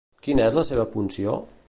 Quina és la seva funció?